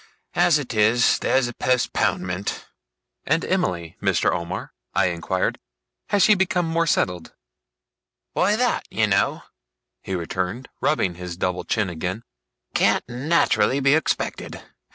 As it is, there's a postponement.' 'And Emily, Mr. Omer?' I inquired. 'Has she become more settled?' 'Why that, you know,' he returned, rubbing his double chin again, 'can't naturally be expected.